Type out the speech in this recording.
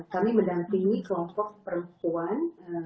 kami mendampingi kelompok perempuan